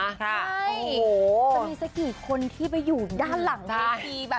ใช่จะมีสักกี่คนที่ไปอยู่ด้านหลังเวที